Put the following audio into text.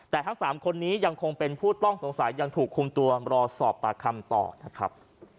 แต่ทั้ง๓คนนี้ยังคงเป็นผู้ต้องสงสัยยังถูกคุมตัวรอสอบปากคำต่อนะครับ